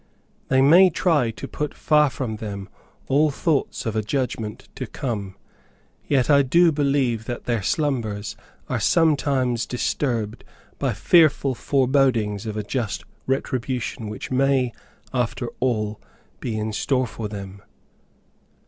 They may try to put far from them all thoughts of a judgment to come, yet I do believe that their slumbers are sometimes disturbed by fearful forebodings of a just retribution which may, after all, be in store for them.